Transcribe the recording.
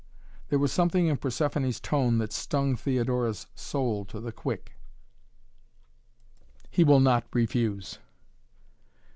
There was something in Persephoné's tone that stung Theodora's soul to the quick. "He will not refuse."